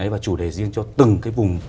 và chủ đề riêng cho từng vùng